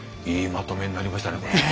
いいまとめになりましたね